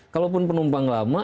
kalaupun penumpang lama